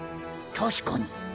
確かに。